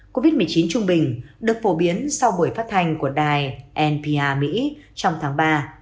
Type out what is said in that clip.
covid một mươi chín trung bình được phổ biến sau buổi phát hành của đài npa mỹ trong tháng ba